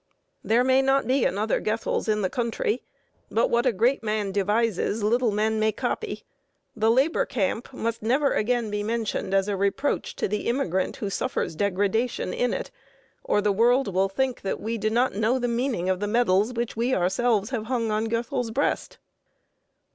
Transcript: There may not be another Goethals in the country, but what a great man devises little men may copy. The labor camp must never again be mentioned as a reproach to the immigrant who suffers degradation in it, or the world will think that we do not know the meaning of the medals which we ourselves have hung on Goethals's breast.